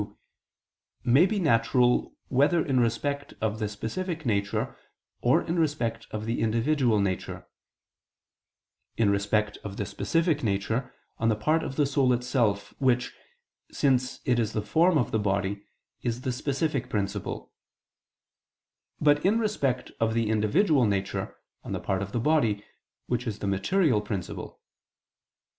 2), may be natural whether in respect of the specific nature or in respect of the individual nature: in respect of the specific nature, on the part of the soul itself, which, since it is the form of the body, is the specific principle; but in respect of the individual nature, on the part of the body, which is the material principle.